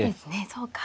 そうか。